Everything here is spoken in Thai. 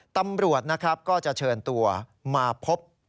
ตำรวจนะครับก็จะเชิญตัวมาพบ